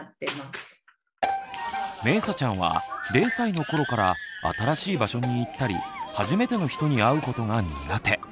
めいさちゃんは０歳の頃から新しい場所に行ったり初めての人に会うことが苦手。